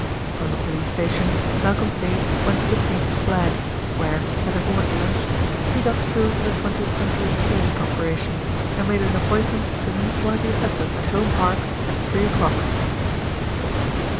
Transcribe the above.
From the police station Malcolm Sage went to The Painted Flag, where, having ordered lunch, he got through to the Twentieth Century Insurance Corporation, and made an appointment to meet one of the assessors at Home Park at three o'clock.